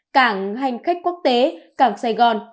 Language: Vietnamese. cảng hành khách quốc tế cảng sài gòn